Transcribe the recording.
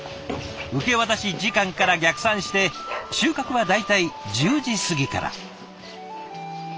受け渡し時間から逆算して収穫は大体１０時過ぎから。